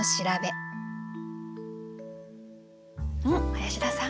林田さん。